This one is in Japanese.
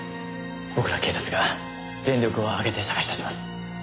僕ら警察が全力を挙げて捜し出します。